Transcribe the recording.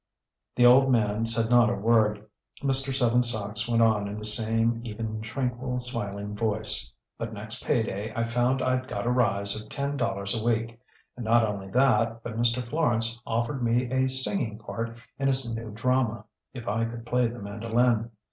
"The old man said not a word," Mr. Seven Sachs went on in the same even tranquil smiling voice. "But next pay day I found I'd got a rise of ten dollars a week. And not only that, but Mr. Florance offered me a singing part in his new drama, if I could play the mandolin.